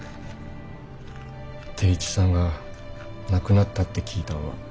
定一さんが亡くなったって聞いたんは。